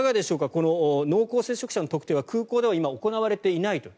この濃厚接触者の特定は空港では今、行われていないという。